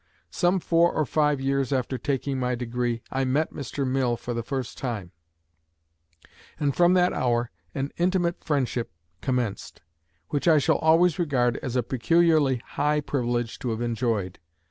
Some four or five years after taking my degree, I met Mr. Mill for the first time; and from that hour an intimate friendship commenced, which I shall always regard as a peculiarly high privilege to have enjoyed.